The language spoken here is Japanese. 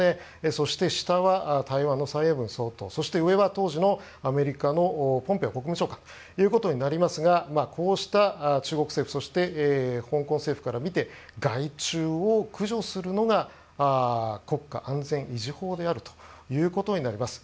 そして、下は台湾の蔡英文総統そして上はアメリカの当時のポンペオ国務長官ということになりますがこうした中国政府そして、香港政府から見て害虫を駆除するのが国家安全維持法であるということになります。